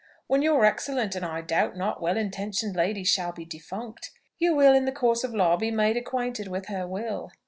When your excellent and, I doubt not, well intentioned lady shall be defunct, you will in the course of law be made acquainted with her will.